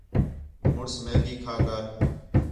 مُݨس میگی کھا کر